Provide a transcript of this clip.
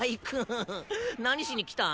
何しに来た？